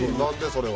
それは。